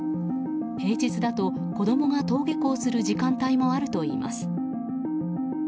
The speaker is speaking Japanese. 平日だと子供が登下校する時間帯もあるといいます。